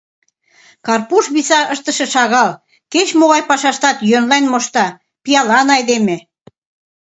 — Карпуш виса ыштыше шагал, кеч-могай пашаштат йӧнлен мошта, пиалан айдеме...